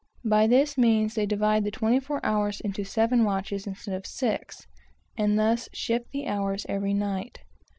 By this means they divide the twenty four hours into seven watches instead of six, and thus shift the hours every night.